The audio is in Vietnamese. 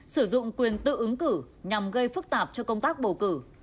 sử dụng quyền tự ứng cử nhằm gây phức tạp cho công tác bầu cử